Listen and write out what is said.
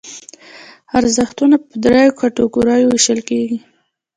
ارزښتونه په دریو کټګوریو ویشل کېږي.